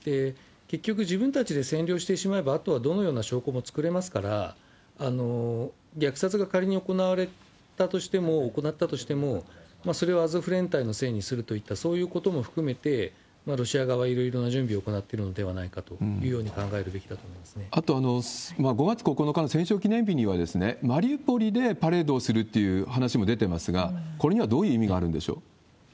結局、自分たちで占領してしまえば、あとはどのような証拠も作れますから、虐殺が仮に行われたとしても、行ったとしても、それをアゾフ連隊のせいにするといった、そういうことも含めて、ロシア側はいろいろな準備を行っているのではないかというようにあと、５月９日の戦勝記念日には、マリウポリでパレードをするっていう話も出てますが、これにはどういう意味があるんでしょう？